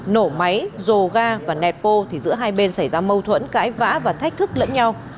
nổ máy dồ ga và nẹt bô thì giữa hai bên xảy ra mâu thuẫn cãi vã và thách thức lẫn nhau